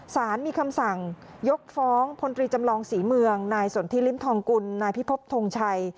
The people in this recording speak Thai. สารมีคำสั่งยกฟ้องพลตรีจำลองศรีเมืองนายสนทิริมทองกุลนายพิพบทงชัย